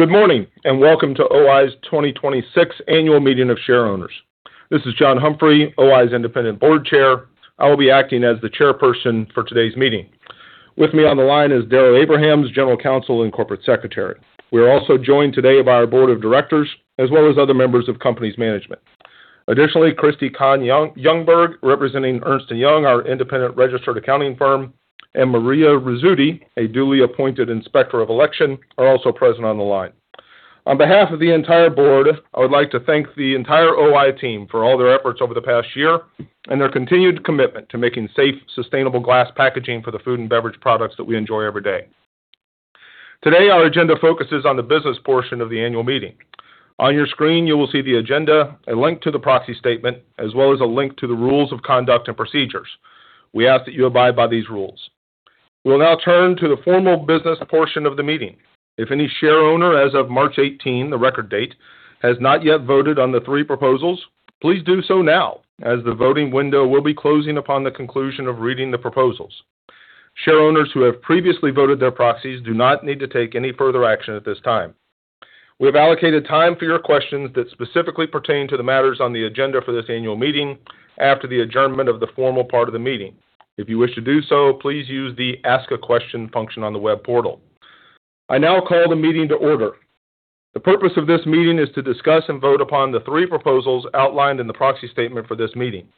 Good morning, and welcome to O-I's 2026 annual meeting of share owners. This is John Humphrey, O-I's Independent Board Chair. I will be acting as the chairperson for today's meeting. With me on the line is Darrow A. Abrahams, General Counsel and Corporate Secretary. We are also joined today by our board of directors, as well as other members of company's management. Additionally, Christi Kann Youngberg, representing Ernst & Young, our independent registered accounting firm, and Maria Rizzuti, a duly appointed Inspector of Election, are also present on the line. On behalf of the entire board, I would like to thank the entire O-I team for all their efforts over the past year and their continued commitment to making safe, sustainable glass packaging for the food and beverage products that we enjoy every day. Today, our agenda focuses on the business portion of the annual meeting. On your screen, you will see the agenda, a link to the proxy statement, as well as a link to the rules of conduct and procedures. We ask that you abide by these rules. We will now turn to the formal business portion of the meeting. If any shareowner as of March 18, the record date, has not yet voted on the three proposals, please do so now, as the voting window will be closing upon the conclusion of reading the proposals. Shareowners who have previously voted their proxies do not need to take any further action at this time. We have allocated time for your questions that specifically pertain to the matters on the agenda for this annual meeting after the adjournment of the formal part of the meeting. If you wish to do so, please use the ask a question function on the web portal. I now call the meeting to order. The purpose of this meeting is to discuss and vote upon the three proposals outlined in the proxy statement for this meeting.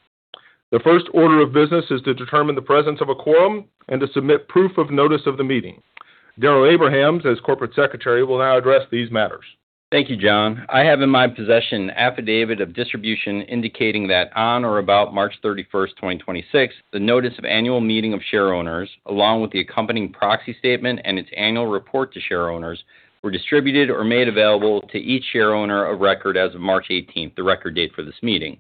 The first order of business is to determine the presence of a quorum and to submit proof of notice of the meeting. Darrow A. Abrahams, as Corporate Secretary, will now address these matters. Thank you, John. I have in my possession affidavit of distribution indicating that on or about March 31st, 2026, the notice of annual meeting of share owners, along with the accompanying proxy statement and its annual report to share owners, were distributed or made available to each share owner of record as of March 18th, the record date for this meeting.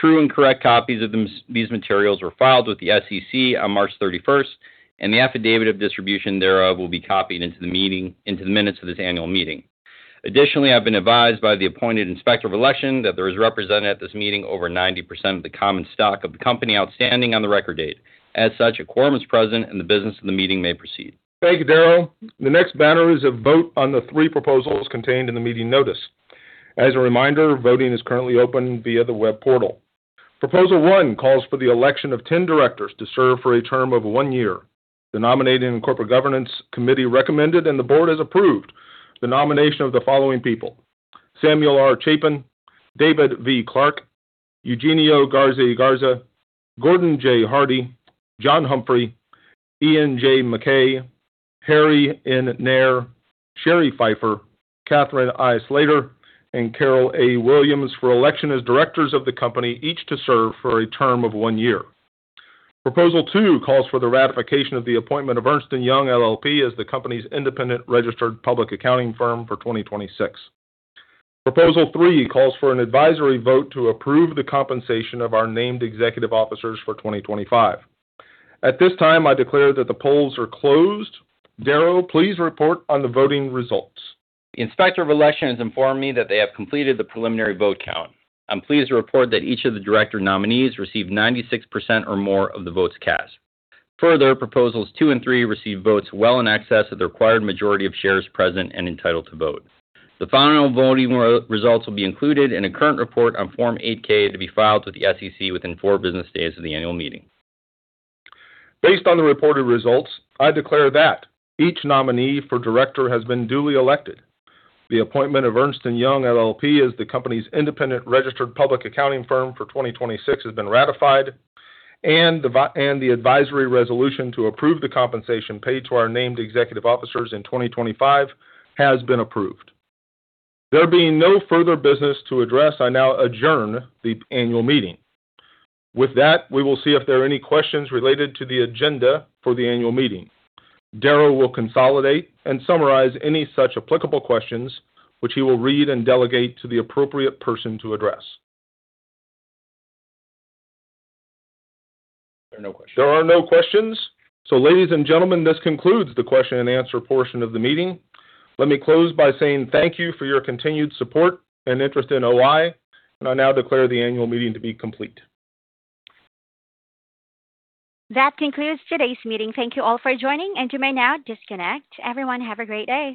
True and correct copies of these materials were filed with the SEC on March 31st, and the affidavit of distribution thereof will be copied into the minutes of this annual meeting. Additionally, I've been advised by the appointed inspector of election that there is represented at this meeting over 90% of the common stock of the company outstanding on the record date. As such, a quorum is present, and the business of the meeting may proceed. Thank you, Darrow. The next matter is a vote on the 3 proposals contained in the meeting notice. As a reminder, voting is currently open via the web portal. Proposal 1 calls for the election of 10 directors to serve for a term of 1 year. The nominating and corporate governance committee recommended, and the board has approved the nomination of the following people: Samuel R. Chapin, David V. Clark, Eugenio Garza y Garza, Gordon J. Hardie, John Humphrey, Iain J. Mackay, Hari N. Nair, Cheri Phyfer, Catherine I. Slater, and Carol A. Williams for election as directors of the company, each to serve for a term of 1 year. Proposal 2 calls for the ratification of the appointment of Ernst & Young LLP as the company's independent registered public accounting firm for 2026. Proposal 3 calls for an advisory vote to approve the compensation of our named executive officers for 2025. At this time, I declare that the polls are closed. Darrow, please report on the voting results. Inspector of election has informed me that they have completed the preliminary vote count. I'm pleased to report that each of the director nominees received 96% or more of the votes cast. Further, proposals 2 and 3 received votes well in excess of the required majority of shares present and entitled to vote. The final voting results will be included in a current report on Form 8-K to be filed with the SEC within 4 business days of the annual meeting. Based on the reported results, I declare that each nominee for director has been duly elected. The appointment of Ernst & Young LLP as the company's independent registered public accounting firm for 2026 has been ratified, and the advisory resolution to approve the compensation paid to our named executive officers in 2025 has been approved. There being no further business to address, I now adjourn the annual meeting. With that, we will see if there are any questions related to the agenda for the annual meeting. Darrow A. Abrahams will consolidate and summarize any such applicable questions, which he will read and delegate to the appropriate person to address. There are no questions. There are no questions. Ladies and gentlemen, this concludes the question and answer portion of the meeting. Let me close by saying thank you for your continued support and interest in O-I, and I now declare the annual meeting to be complete. That concludes today's meeting. Thank you all for joining, and you may now disconnect. Everyone, have a great day.